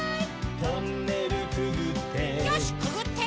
「トンネルくぐって」